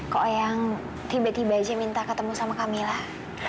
kok eang tiba tiba aja minta ketemu sama kamilah